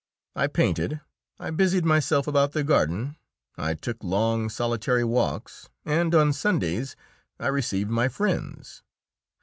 I painted, I busied myself about my garden, I took long, solitary walks, and on Sundays I received my friends.